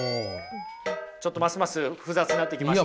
ちょっとますます複雑になってきました？